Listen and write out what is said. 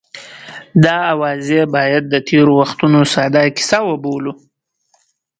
دا اوازې باید د تېرو وختونو ساده کیسه وبولو.